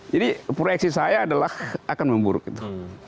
jadi proyeksi saya adalah akan memburuk itu